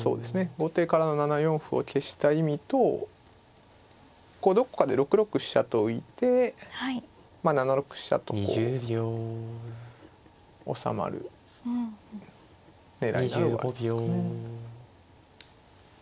後手から７四歩を消した意味とこうどこかで６六飛車と浮いて７六飛車とこうおさまる狙いなどがありますかね。